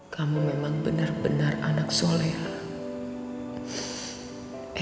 kamu memang bener bener anak soleh